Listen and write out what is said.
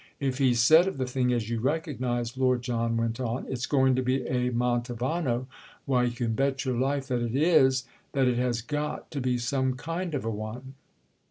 If he said of the thing, as you recognise," Lord John went on, "'It's going to be a Mantovano,' why you can bet your life that it is—that it has got to be some kind of a one."